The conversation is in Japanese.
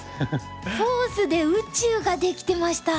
フォースで宇宙ができてました。